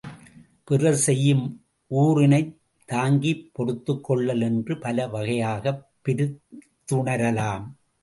பிறர் செய்யும் ஊறினைத் தாங்கிப் பொறுத்துக் கொள்ளல் என்று பல வகையாகப் பிரித்துணரலாம்.